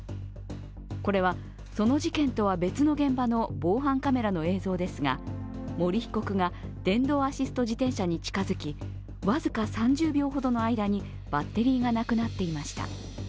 これはその事件とは別の現場の防犯カメラの映像ですが森被告が電動アシスト自転車に近づき僅か３０秒程の間にバッテリーがなくなっていました。